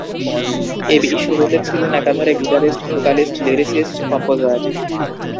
AB শুরুতে ছিলেন একাধারে গিটারিস্ট-ভোকালিস্ট-লিরিসিস্ট-কম্পোজার।